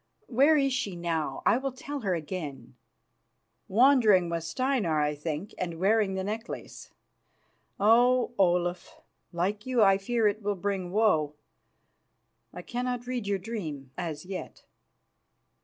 Where is she now? I will tell her again." "Wandering with Steinar, I think, and wearing the necklace. Oh! Olaf, like you I fear it will bring woe. I cannot read your dream as yet."